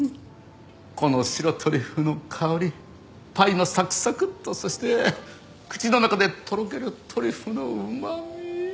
この白トリュフの香りパイのサクサクとそして口の中でとろけるトリュフのうまみ。